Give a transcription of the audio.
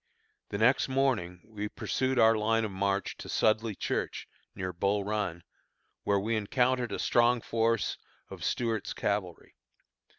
The next morning we pursued our line of march to Sudley Church, near Bull Run, where we encountered a strong force of Stuart's cavalry.